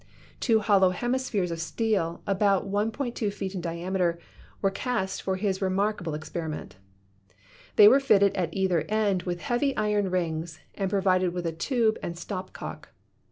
Two hollow hemispheres of steel, about 1.2 feet in diameter, were cast for his re THE PROPERTIES OF MATTER 35 markable experiment. They were fitted at either end with heavy iron rings and provided with a tube and stop cock.